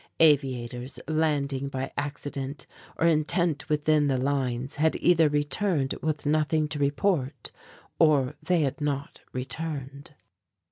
Aviators, landing by accident or intent within the lines, had either returned with nothing to report, or they had not returned.